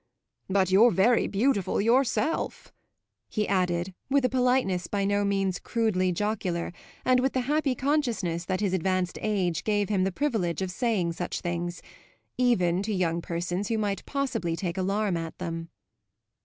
But you're very beautiful yourself," he added with a politeness by no means crudely jocular and with the happy consciousness that his advanced age gave him the privilege of saying such things even to young persons who might possibly take alarm at them.